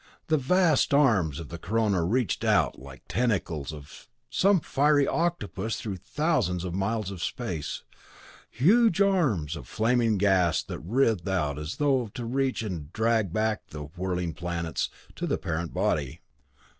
The vast arms of the corona reached out like the tentacles of some fiery octopus through thousands of miles of space huge arms of flaming gas that writhed out as though to reach and drag back the whirling planets to the parent body.